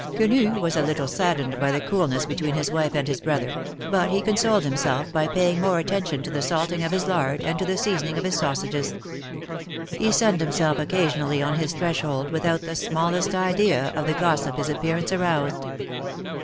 Quenu was a little saddened by the coolness between his wife and his brother, but he consoled himself by paying more attention to the salting of his lard, and to the seasoning of his sausages. He sunned himself occasionally on his threshold, without the smallest idea of the gossip his appearance aroused.